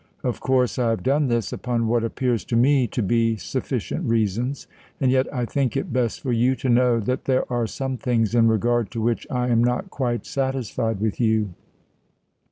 Of course I have done this upon what appears to me to be sufficient reasons, and yet I think it best for you to know that there are some things in regard to which I am not quite satisfied with you.